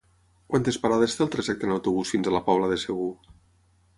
Quantes parades té el trajecte en autobús fins a la Pobla de Segur?